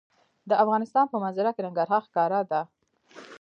د افغانستان په منظره کې ننګرهار ښکاره ده.